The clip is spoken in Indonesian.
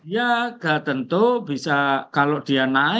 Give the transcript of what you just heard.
ya tentu bisa kalau dia naik